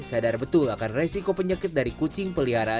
sadar betul akan resiko penyakit dari kucing peliharaan